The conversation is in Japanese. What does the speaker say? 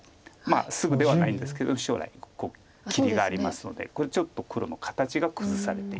すぐではないんですけど将来ここ切りがありますのでこれちょっと黒の形が崩されてということです。